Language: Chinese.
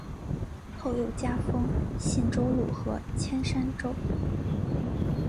后又加封信州路和铅山州。